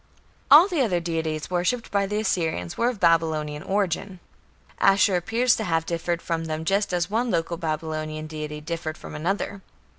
All the other deities worshipped by the Assyrians were of Babylonian origin. Ashur appears to have differed from them just as one local Babylonian deity differed from another.